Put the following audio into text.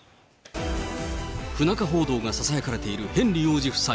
不仲報道がささやかれているヘンリー王子夫妻。